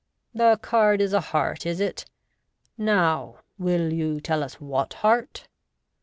"The card is a heart, is it? Now, will you tell us what heart